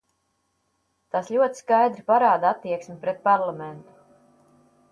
Tas ļoti skaidri parāda attieksmi pret parlamentu.